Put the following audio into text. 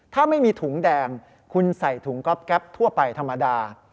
ถ้าไม่มีถุงแดงคุณใส่ถุงก๊อบแก๊ปทั่วไปธรรมดา